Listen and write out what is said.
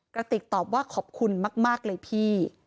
กระติกตอบว่าขอบคุณมากเลยพี่